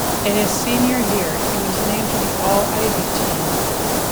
In his senior year, he was named to the All-Ivy Team.